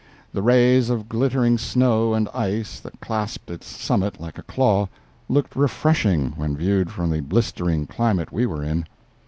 The rays of glittering snow and ice, that clasped its summit like a claw, looked refreshing when viewed from the blistering climate we were in.